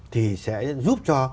thì sẽ giúp cho